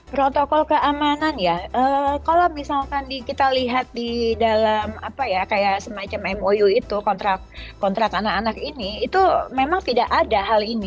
protokol keamanan ya kalau misalkan kita lihat di dalam apa ya kayak semacam mou itu kontrak anak anak ini itu memang tidak ada hal ini